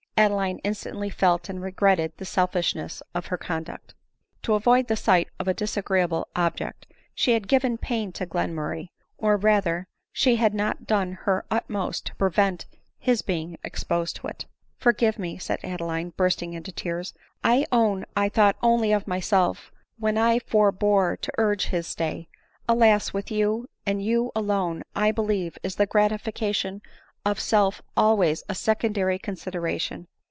Adeline instantly felt and regretted the selfishness of her conduct. To avoid the sight of a dis agreeable object, she had given pain to Glenmurray ; or rather, she had not done her utmost to prevent his being exposed to it. " Forgive me," said Adeline, bursting into tears; " I own I thought only of myself, when 1 forbore to urge his stay. Alas! with you, and you alone, I believe, is the gratification of self always a secondary consid eration."